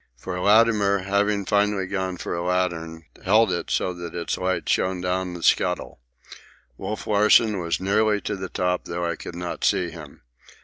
For Latimer, having finally gone for a lantern, held it so that its light shone down the scuttle. Wolf Larsen was nearly to the top, though I could not see him.